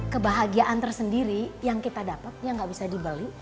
kebahagiaan tersendiri yang kita dapat yang gak bisa dibeli